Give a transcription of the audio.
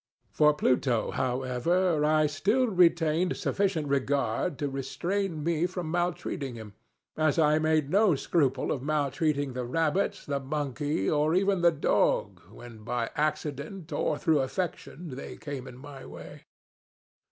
For Pluto, however, I still retained sufficient regard to restrain me from maltreating him, as I made no scruple of maltreating the rabbits, the monkey, or even the dog, when by accident, or through affection, they came in my way.